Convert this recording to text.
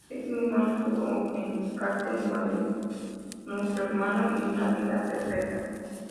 Ese mismo año tuvo en cartel en Madrid "Nuestro hermano" y "Una vida perfecta".